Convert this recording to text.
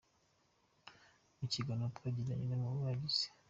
Mu kiganiro twagiranye numwe mu bagize.